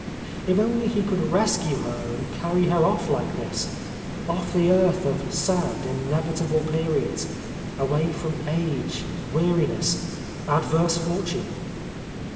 If only he could rescue her and carry her off like this, — off the earth of sad, inevitable periods, away from age, weariness, adverse fortune!